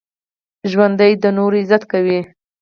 ژوندي د نورو عزت کوي